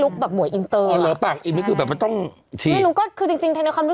แก๊งกับดิวมั้ย